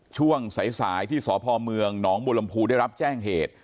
ช่วงสายที่สพเมืองหนองบุรมภูได้รับแจ้งเหตุ